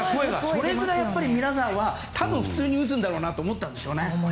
それぐらい皆さんは多分普通に打つんだろうなと思ったんでしょうね。